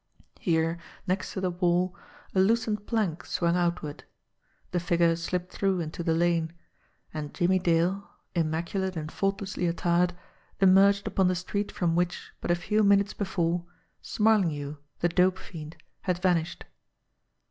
Here, next to the wall, a loosened plank swung outward. The figure slipped through into the lane and Jimmie Dale, immaculate and faultlessly attired, emerged upon the street from which, but a few minutes before, Smarlinghue, the dope fiend, had vanished.